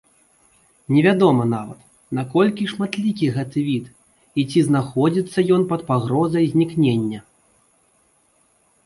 Невядома нават, наколькі шматлікі гэты від, і ці знаходзіцца ён пад пагрозай знікнення.